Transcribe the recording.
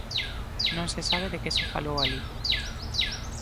Non se sabe de que se falou alí.